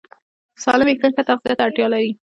سالم وېښتيان ښه تغذیه ته اړتیا لري.